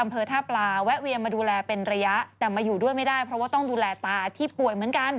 เพราะว่าต้องดูแลตาที่ป่วยเหมือนกัน